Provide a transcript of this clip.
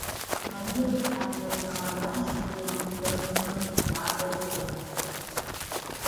Maria Bethânia é uma grande expoente da Música Popular Brasileira